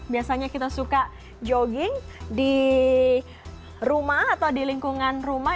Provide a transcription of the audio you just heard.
biasanya kita suka jogging di rumah atau di lingkungan rumah